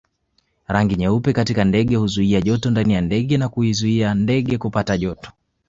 Rangi nyeupe katika ndege huzuia joto ndani ya ndege na huizuia ndege kupata joto